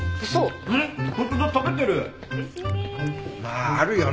まああるよね